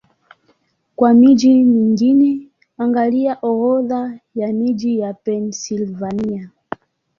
Kwa miji mingine, angalia Orodha ya miji ya Pennsylvania.